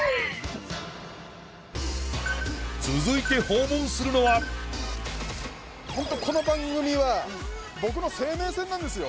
続いて訪問するのは本当この番組は僕の生命線なんですよ